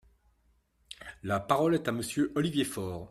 La parole est à Monsieur Olivier Faure.